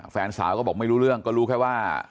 แฟนสาวก็บอกไม่รู้เรื่องก็รู้แค่ว่า